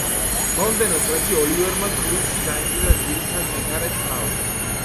მომდევნო წლებში ოლივერმა კლუბში დაიმკვიდრა ძირითად მეკარედ თავი.